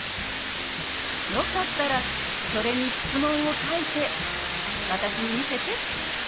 よかったらそれに質問を書いて私に見せて。